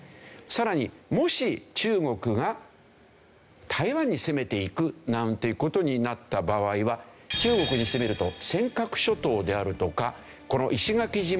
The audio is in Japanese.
さらにもし中国が台湾に攻めていくなんていう事になった場合は中国にしてみると尖閣諸島であるとかこの石垣島